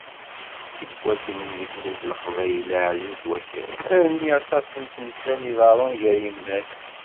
Seg wakken di tmurt n Lqbayel εziz wakal, armi aṭas n temsal i iḍerrun gar yimdanen.